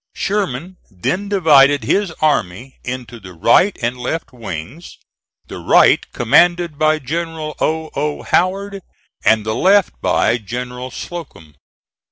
Sherman then divided his army into the right and left wings the right commanded by General O. O. Howard and the left by General Slocum.